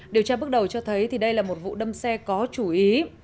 điều tra bước đầu cho thấy đây là một vụ đâm xe có chủ ý